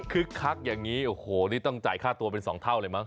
คักอย่างนี้โอ้โหนี่ต้องจ่ายค่าตัวเป็น๒เท่าเลยมั